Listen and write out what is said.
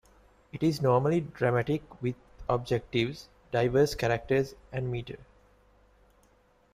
It is normally dramatic, with objectives, diverse characters, and metre.